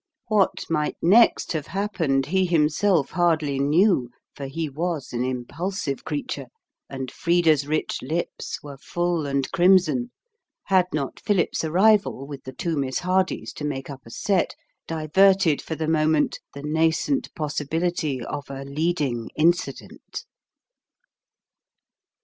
What might next have happened he himself hardly knew, for he was an impulsive creature, and Frida's rich lips were full and crimson, had not Philip's arrival with the two Miss Hardys to make up a set diverted for the moment the nascent possibility of a leading incident.